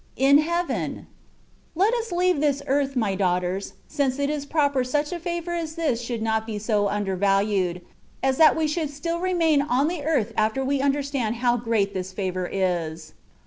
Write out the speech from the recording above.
in Heaven ! Let us leave this earth, my daughters, since it is proper such a favour as this should not be so undervalued, as that we should still remain on the earth after we understand how great this favour is.